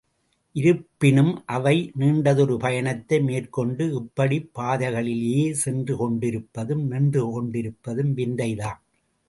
இருப்பினும், அவை நீண்டதொரு பயணத்தை மேற்கொண்டு, இப்படிப் பாதைகளிலேயே சென்று கொண்டிருப்பதும் நின்றுகொண்டிருப்பதும் விந்தைதான்!